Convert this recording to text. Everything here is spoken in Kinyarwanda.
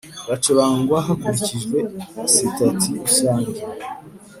bagacungwa hakurikijwe sitati rusange